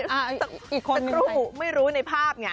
อีกคนครูไม่รู้ในภาพไง